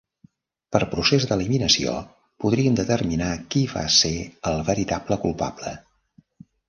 Per procés d'eliminació, podríem determinar qui va ser el veritable culpable.